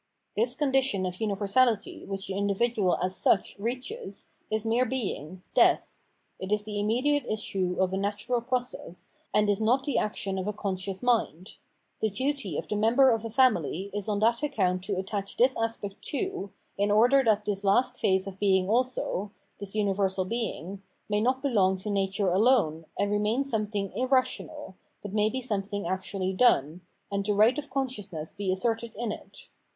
This condition of universality, which the individual as such reaches, is mere being, death ; it is the immediate issue of a natural process, and is not the action of a conscious mind. The duty of the member of a family is on that account to attach this aspect too, in order that this last phase of being also, (this universal beiug), may not belong to nature alone, and remain something irrational, but may be something actually done, and the right of consciousness be asserted in it.